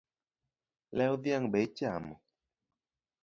Lew dhiang’ be ichamo?